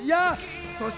そして